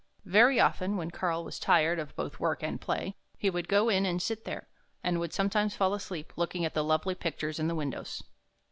Very often, when Karl was tired of both work and play, he would go in and sit there, and would sometimes fall asleep looking at the lovely pictures in the windows.